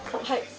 はい。